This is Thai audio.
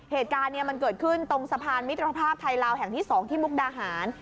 เหตุการณ์มันเกิดขึ้นตรงสะพานมิตรภาพไทยลาวแห่งที่๒ที่มุกดาหาร